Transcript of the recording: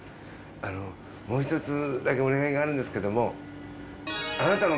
あのもう一つだけお願いがあるんですけども。